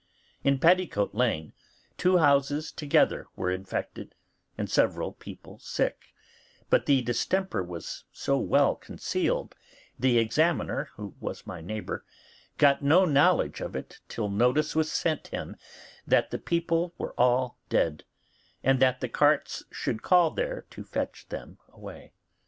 In Petticoat Lane two houses together were infected, and several people sick; but the distemper was so well concealed, the examiner, who was my neighbour, got no knowledge of it till notice was sent him that the people were all dead, and that the carts should call there to fetch them away.